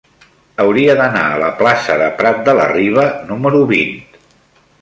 Hauria d'anar a la plaça de Prat de la Riba número vint.